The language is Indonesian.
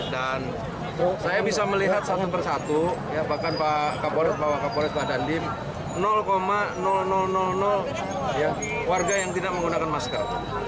dan saya bisa melihat satu persatu bahkan pak kapolet pak kapolet pak dandim warga yang tidak menggunakan masker